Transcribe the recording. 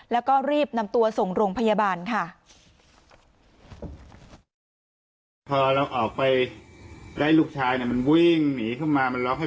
แล้วก็รีบนำตัวส่งโรงพยาบาลค่ะ